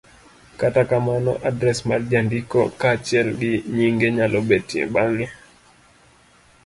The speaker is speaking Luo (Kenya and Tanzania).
Kata kamano, adres mar jandiko kaachiel gi nyinge nyalo betie bang'e,